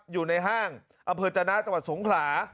อยู่ในห้างอเผลอจานะตศงขลา